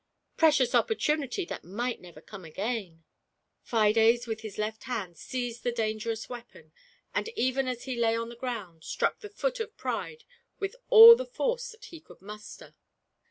Precious opportunity that might never come again! Fides with his left hand seized the dangerous weapon, and even as he lay on the ground, struck the foot of Pride with all the force that he could muster.